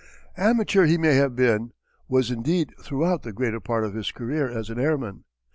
Amateur he may have been, was indeed throughout the greater part of his career as an airman.